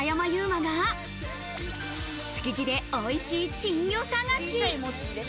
馬が、築地でおいしい珍魚探し。